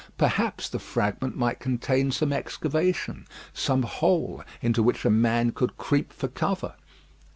Perhaps the fragment might contain some excavation some hole into which a man could creep for cover.